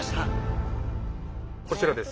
こちらです。